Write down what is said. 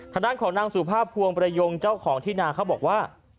ทางด้านของนางสุภาพพวงประยงเจ้าของที่นาเขาบอกว่า